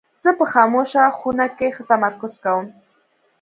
زه په خاموشه خونه کې ښه تمرکز کوم.